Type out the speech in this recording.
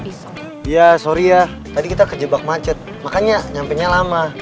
iya sorry ya tadi kita kejebak macet makanya nyampenya lama